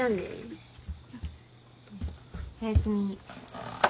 おやすみ。